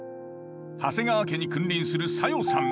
長谷川家に君臨する小夜さん。